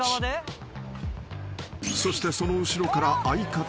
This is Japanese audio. ［そしてその後ろから相方の］